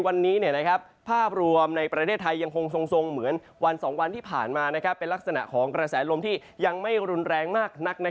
วันนี้ภาพรวมในประเทศไทยยังคงทรงเหมือนวัน๒วันที่ผ่านมาเป็นลักษณะของกระแสลมที่ยังไม่รุนแรงมากนัก